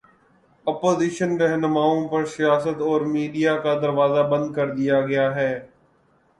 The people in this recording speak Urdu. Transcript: اپوزیشن راہنماؤں پر سیاست اور میڈیا کا دروازہ بند کر دیا گیا ہے۔